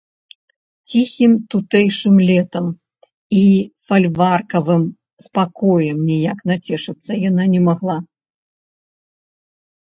Ціхім тутэйшым летам і фальварковым спакоем ніяк нацешыцца яна не магла.